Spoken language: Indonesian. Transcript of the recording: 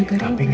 buat apa ini